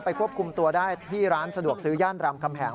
ควบคุมตัวได้ที่ร้านสะดวกซื้อย่านรามคำแหง